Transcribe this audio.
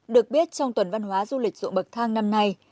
được biết trong tuần văn hóa du lịch ruộng bậc thang năm nay